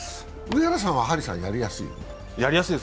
上原さんは張さんやりやすい？